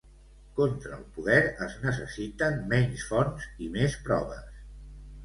Contra el poder es necessiten menys fonts i més proves.